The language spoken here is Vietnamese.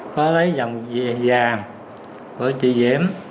có lấy dòng vàng của chị diễm